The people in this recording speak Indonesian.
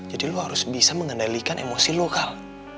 jadi lo harus bisa mengendalikan emosi lo kal